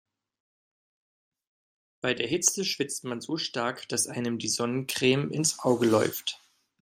Bei der Hitze schwitzt man so stark, dass einem die Sonnencreme ins Auge läuft.